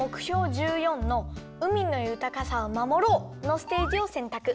１４の「うみのゆたかさをまもろう」のステージをせんたく。